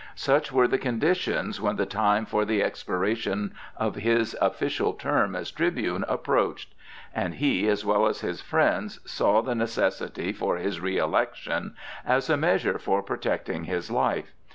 Such were the conditions when the time for the expiration of his official term as tribune approached, and he as well as his friends saw the necessity for his reëlection as a measure for protecting his life.